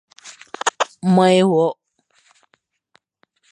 Maan e wɔ.